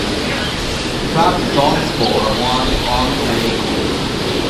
Trabzonspor won on away goals.